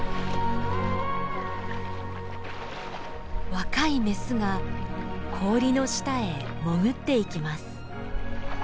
若いメスが氷の下へ潜っていきます。